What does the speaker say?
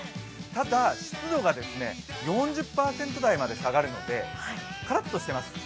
ただ、湿度が４０％台まで下がるのでカラっとしています。